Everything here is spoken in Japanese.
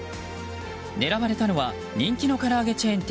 狙われたのは人気のから揚げチェーン店。